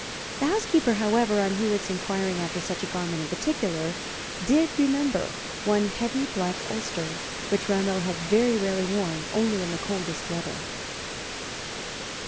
The housekeeper, however, on Hewitt's inquiring after such a garment in particular, did remember one heavy black ulster, which Rameau had very rarely worn only in the coldest weather.